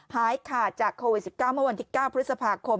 หายขาดจากโควิด๑๙เมื่อวันที่๙พฤษภาคม